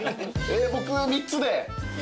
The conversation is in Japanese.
僕３つで。